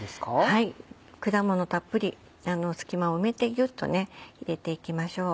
はい果物たっぷり隙間を埋めてギュっと入れていきましょう。